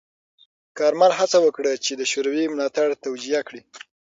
کارمل هڅه وکړه چې د شوروي ملاتړ توجیه کړي.